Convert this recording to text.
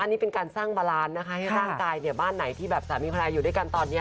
อันนี้เป็นการซ่างบาราร์นนะครับให้ร่างกายบ้านไหนที่สามีบ้านอยู่ด้วยกันตอนนี้